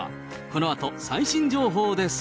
このあと最新情報です。